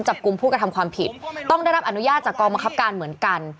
จับกลุ่มผู้กระทำความผิดต้องได้รับอนุญาตจากกองบังคับการเหมือนกัน